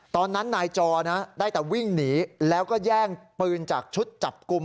ตอนนั้นนายจอนะได้แต่วิ่งหนีแล้วก็แย่งปืนจากชุดจับกลุ่ม